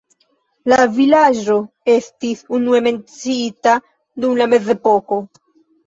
La vilaĝo estis unue menciita dum la mezepoko.